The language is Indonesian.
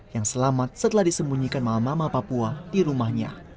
yang selamat setelah disembunyikan mama mama papua di rumahnya